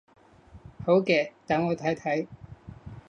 好嘅，等我睇睇